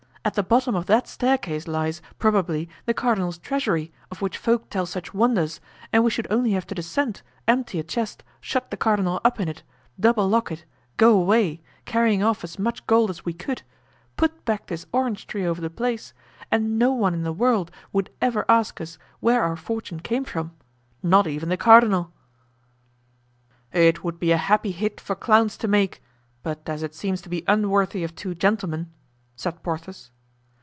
At the bottom of that staircase lies, probably, the cardinal's treasury of which folk tell such wonders, and we should only have to descend, empty a chest, shut the cardinal up in it, double lock it, go away, carrying off as much gold as we could, put back this orange tree over the place, and no one in the world would ever ask us where our fortune came from—not even the cardinal." "It would be a happy hit for clowns to make, but as it seems to be unworthy of two gentlemen——" said Porthos.